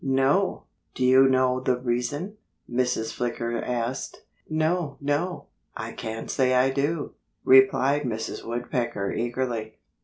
"No!" "Do you know the reason?" Mrs. Flicker asked. "No! No! I can't say I do," replied Mrs. Woodpecker eagerly.